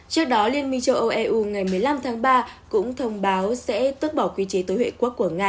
trước đó liên minh châu âu eu ngày một mươi năm tháng ba cũng thông báo sẽ tước bỏ quy chế tối huệ quốc của nga